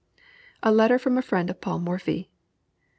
LETTER FROM A FRIEND OF PAUL MORPHY.